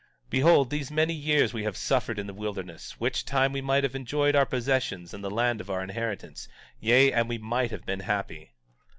17:21 Behold, these many years we have suffered in the wilderness, which time we might have enjoyed our possessions and the land of our inheritance; yea, and we might have been happy.